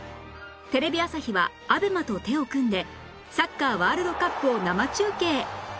テレビ朝日は ＡＢＥＭＡ と手を組んでサッカーワールドカップを生中継